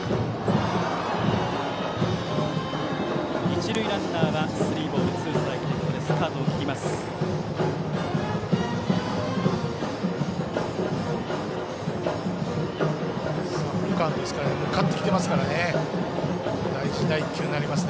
一塁ランナーはスリーボールツーストライクでスタートを切ります。